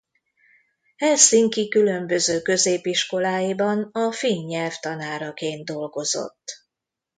Helsinki különböző középiskoláiban a finn nyelv tanáraként dolgozott.